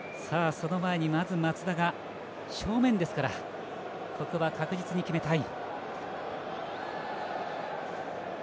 その前に松田が正面ですからここは確実に決めたい。